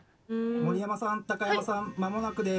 森山さん高山さんまもなくです。